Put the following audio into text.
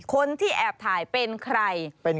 คนที่แอบถ่ายเป็นใคร